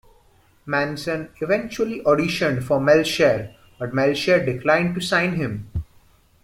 Manson eventually auditioned for Melcher, but Melcher declined to sign him.